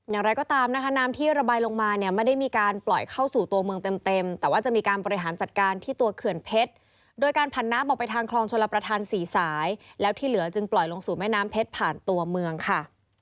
อย่างไรก็ตามนะคะน้ำที่ระบายลงมาเนี่ยไม่ได้มีการปล่อยเข้าสู่ตัวเมืองเต็มแต่ว่าจะมีการบริหารจัดการที่ตัวเขื่อนเพชรโดยการผ่านน้ำออกไปทางคลองชลประธานสี่สายแล้วที่เหลือจึงปล่อยลงสู่แม่น้ำเพชรผ่านตัวเมืองค่ะ